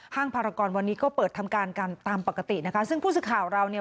ภารกรวันนี้ก็เปิดทำการกันตามปกตินะคะซึ่งผู้สื่อข่าวเราเนี่ย